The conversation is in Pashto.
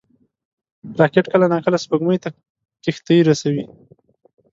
راکټ کله ناکله سپوږمۍ ته کښتۍ رسوي